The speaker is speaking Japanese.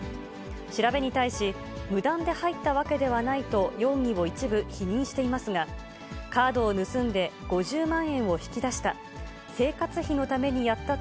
調べに対し、無断で入ったわけではないと容疑を一部否認していますが、カードを盗んで５０万円を引き出した。